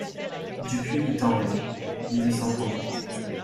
(Dupuy et Tenré, mille huit cent trente-trois.